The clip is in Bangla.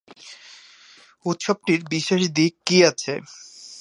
উৎসবটির বিশেষ দিক কী আছে?